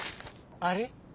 あれ？